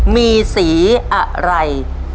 มีสีอะไร